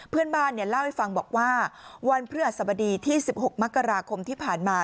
เพื่อนบ้านเล่าให้ฟังบอกว่าวันพฤหัสบดีที่๑๖มกราคมที่ผ่านมา